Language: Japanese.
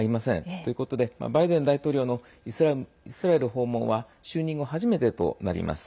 ということでバイデン大統領のイスラエル訪問は就任後、初めてとなります。